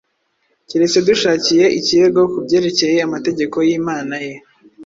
keretse dushakiye ikirego ku byerekeye amategeko y’Imana ye.